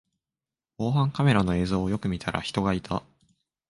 防犯カメラの映像をよく見たら人がいた